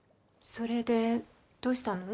それでどうしたの？